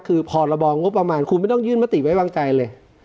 คือพรบงบประมาณคุณไม่ต้องยื่นมติไว้วางใจเลย